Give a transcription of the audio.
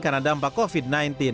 karena dampak covid sembilan belas